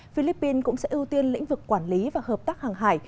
trong lĩnh vực quản lý và hợp tác hàng hải